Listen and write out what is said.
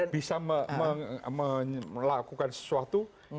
bisa melakukan sesuatu